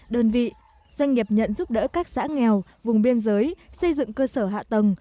đơn vị doanh nghiệp nhận giúp đỡ các xã nghèo vùng biên giới xây dựng cơ sở hạ tầng